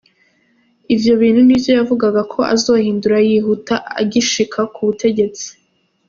Ivyo bintu ni vyo yavuga ko azohindura yihuta agishika ku butegetsi.